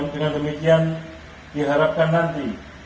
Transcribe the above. dengan demikian diharapkan nanti